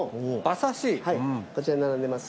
こちらに並んでます。